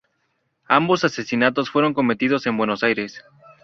Ambos asesinatos fueron cometidos en Buenos Aires.